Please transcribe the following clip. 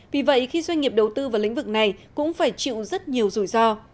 vì vậy khi doanh nghiệp đầu tư vào lĩnh vực này cũng phải chịu rất nhiều rủi ro